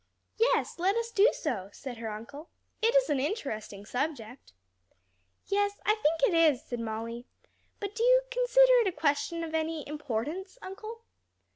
"Yes, let us do so," said her uncle. "It is an interesting subject." "Yes, I think it is," said Molly; "but do you consider it a question of any importance, uncle?"